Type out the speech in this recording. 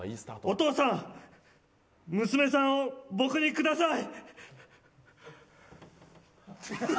お父さん娘さんを僕にください。